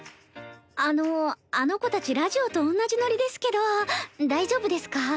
あのあの子たちラジオとおんなじノリですけど大丈夫ですか？